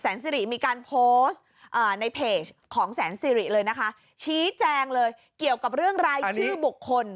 สิริมีการโพสต์ในเพจของแสนสิริเลยนะคะชี้แจงเลยเกี่ยวกับเรื่องรายชื่อบุคคล